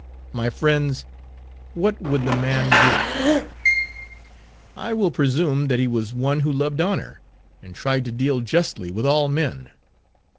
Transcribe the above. My friends, what would the man do? I will presume that he was one who loved honor, and tried to deal justly with all men.